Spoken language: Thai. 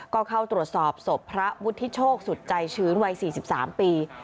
ก็เข้าตรวจสอบศพพระวุฒิโชคสุดใจชื้นวัย๔๓ปี